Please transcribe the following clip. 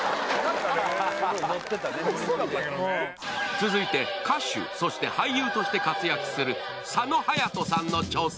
続いて歌手、そして俳優として活躍する佐野勇斗さんの挑戦。